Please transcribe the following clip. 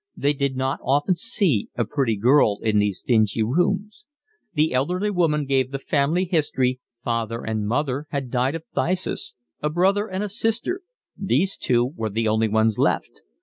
They did not often see a pretty girl in these dingy rooms. The elder woman gave the family history, father and mother had died of phthisis, a brother and a sister, these two were the only ones left.